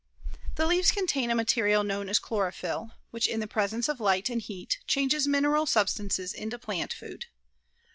The leaves contain a material known as chlorophyll, which, in the presence of light and heat, changes mineral substances into plant food.